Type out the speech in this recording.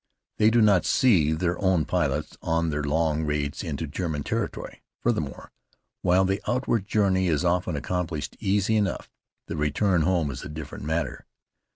They do not see their own pilots on their long raids into German territory. Furthermore, while the outward journey is often accomplished easily enough, the return home is a different matter.